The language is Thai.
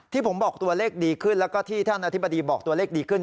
ที่ผมบอกตัวเลขดีขึ้นแล้วก็ที่ท่านอธิบดีบอกตัวเลขดีขึ้น